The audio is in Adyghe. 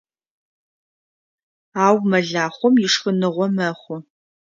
Ау мэлахъом ишхыныгъо мэхъу.